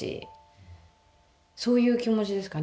そういう気持ちですかね。